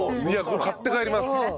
これ買って帰ります。